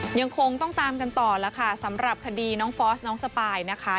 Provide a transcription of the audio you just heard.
ยังคงต้องตามกันต่อแล้วค่ะสำหรับคดีน้องฟอสน้องสปายนะคะ